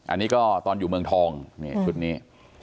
อันนี้ก็ตอนอยู่เมืองทองนี่ชุดนี้